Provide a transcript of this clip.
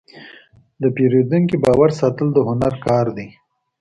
د پیرودونکي باور ساتل د هنر کار دی.